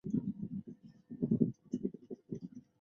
阿拉门戈。